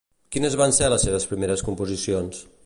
Quines van ser les seves primeres composicions?